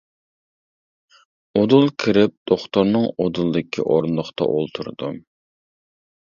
ئۇدۇل كىرىپ، دوختۇرنىڭ ئۇدۇلىدىكى ئورۇندۇقتا ئولتۇردۇم.